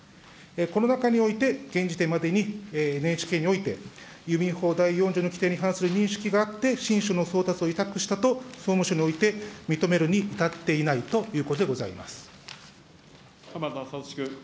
この中において、現時点までにＮＨＫにおいて、郵便法第４条の規定に反する認識があって、信書の送達を委託したと総務省において認めるに至ってい浜田聡君。